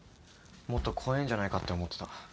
もっと怖えんじゃないかって思ってた。